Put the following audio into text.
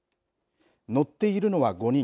乗っているのは５人。